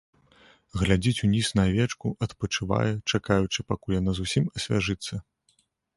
Глядзіць уніз на авечку, адпачывае, чакаючы, пакуль яна зусім асвяжыцца.